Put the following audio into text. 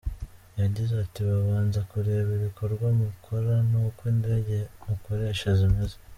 Yagize ati : “Babanza kureba ibikorwa mukora, n’uko indege mukoresha zimeze.